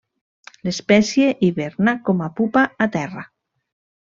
L'espècie hiberna com a pupa a terra.